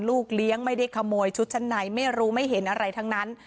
ลูกเลี้ยงไม่ได้ขโมยชุดชั้นในไม่รู้ไม่เห็นอะไรทั้งนั้น